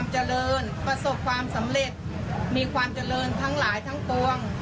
เจริญประสบความสำเร็จมีความเจริญทั้งหลายทั้งปวง